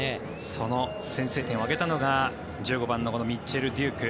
その先制点を挙げたのが１５番のこのミッチェル・デューク。